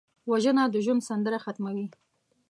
وژنه د ژوند سندره ختموي